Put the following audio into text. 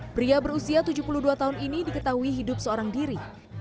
pria berusia tujuh puluh dua tahun ini diketahui hidup seorang diri